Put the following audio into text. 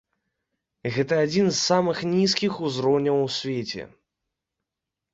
Гэта адзін з самых нізкіх узроўняў у свеце.